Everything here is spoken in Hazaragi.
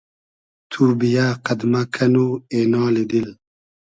تو بییۂ قئد مۂ کئنو اېنالی دیل